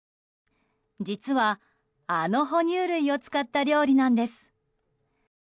実は、あの哺乳類を使った料理なんです。